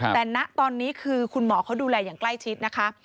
แต่ณตอนนี้คือคุณหมอเขาดูแลอย่างใกล้ชิดนะคะ